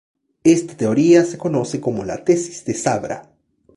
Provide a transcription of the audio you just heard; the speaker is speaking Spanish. Esta teoría se conoce como la "tesis de Sabra".